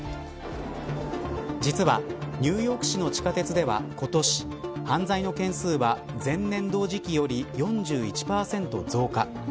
実は、ニューヨーク市の地下鉄では今年犯罪の件数は前年同時期より４１％増加。